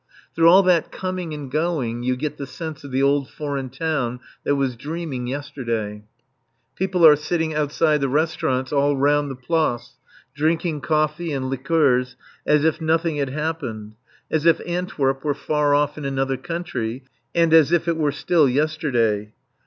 Through all that coming and going you get the sense of the old foreign town that was dreaming yesterday. People are sitting outside the restaurants all round the Place, drinking coffee and liqueurs as if nothing had happened, as if Antwerp were far off in another country, and as if it were still yesterday.